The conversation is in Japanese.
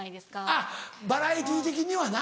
あっバラエティー的にはな。